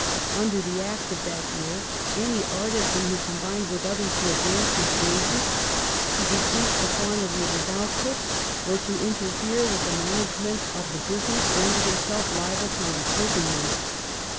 Under the Act of that year any artisan who combined with others to advance his wages, to decrease the quantity of his output, or to interfere witli the management of the business, rendered himself liable to imprisonment.